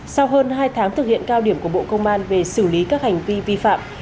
sau hơn hai tháng thực hiện cao điểm của bộ công an về xử lý các hành vi vi phạm